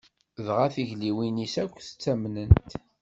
Dɣa tigelliwin-is akk s tamment.